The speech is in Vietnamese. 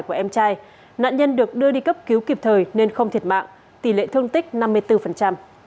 của em trai nạn nhân được đưa đi cấp cứu kịp thời nên không thiệt mạng tỷ lệ thương tích năm mươi bốn